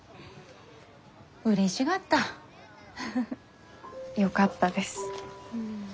うれしがった。よかったです。